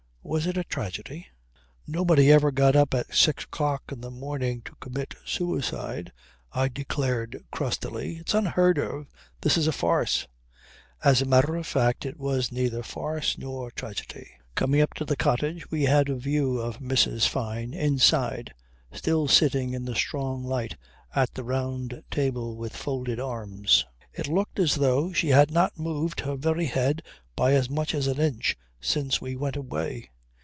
Was it a tragedy? "Nobody ever got up at six o'clock in the morning to commit suicide," I declared crustily. "It's unheard of! This is a farce." As a matter of fact it was neither farce nor tragedy. Coming up to the cottage we had a view of Mrs. Fyne inside still sitting in the strong light at the round table with folded arms. It looked as though she had not moved her very head by as much as an inch since we went away.